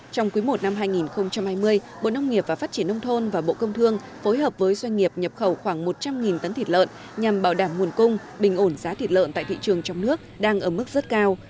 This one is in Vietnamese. trong quý i năm hai nghìn hai mươi bộ nông nghiệp và phát triển nông thôn và bộ công thương phối hợp với doanh nghiệp nhập khẩu khoảng một trăm linh tấn thịt lợn nhằm bảo đảm nguồn cung bình ổn giá thịt lợn tại thị trường trong nước đang ở mức rất cao